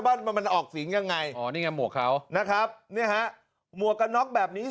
มันมันออกสิงยังไงอ๋อนี่ไงหมวกเขานะครับเนี่ยฮะหมวกกันน็อกแบบนี้